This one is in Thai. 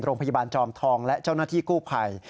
โรงพยาบาลจอมทองและเจ้าหน้าที่กู้ภัย